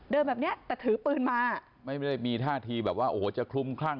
แบบเนี้ยแต่ถือปืนมาไม่ได้มีท่าทีแบบว่าโอ้โหจะคลุมคลั่ง